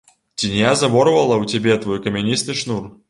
Ці не я заворвала ў цябе твой камяністы шнур?